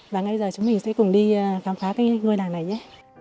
và ngay bây giờ chúng mình sẽ cùng đi khám phá cái ngôi làng này nhé